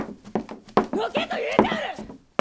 のけと言うておる！